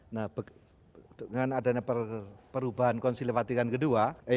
nah dengan adanya perubahan konsili fatikan ke dua